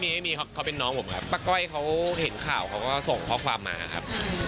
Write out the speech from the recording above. มีไม่มีเขาเป็นน้องผมครับป้าก้อยเขาเห็นข่าวเขาก็ส่งข้อความมาครับ